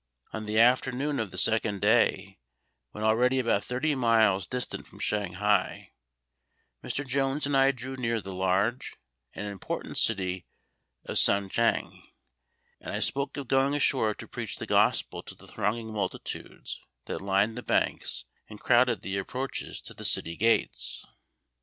On the afternoon of the second day, when already about thirty miles distant from Shanghai, Mr. Jones and I drew near the large and important city of Sung kiang, and I spoke of going ashore to preach the Gospel to the thronging multitudes that lined the banks and crowded the approaches to the city gates.